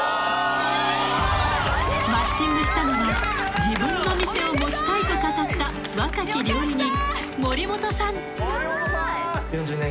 ［マッチングしたのは自分の店を持ちたいと語った若き料理人］